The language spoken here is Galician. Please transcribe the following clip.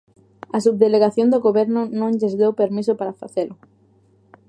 A Subdelegación do Goberno non lles deu permiso para facelo.